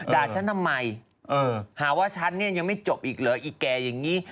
ด่าฉันทำไมหาว่าฉันนี้ยังไม่จบอีกเหรออีแกแบบนี้